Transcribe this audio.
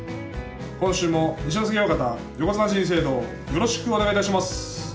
今週も「二所ノ関親方横綱人生道」をよろしくお願いいたします。